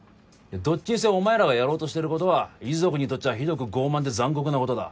どっちにせよお前らがやろうとしてることは遺族にとっちゃひどく傲慢で残酷なことだ。